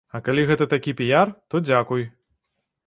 А калі гэта такі піяр, то дзякуй!